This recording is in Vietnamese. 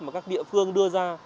mà các địa phương đưa ra